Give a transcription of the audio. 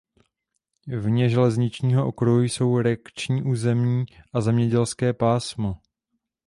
Vně železničního okruhu jsou rekreační území a zemědělské pásmo.